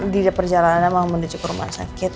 di perjalanan memang menuju ke rumah sakit